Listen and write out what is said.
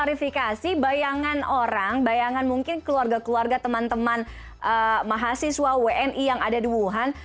klarifikasi bayangan orang bayangan mungkin keluarga keluarga teman teman mahasiswa wni yang ada di wuhan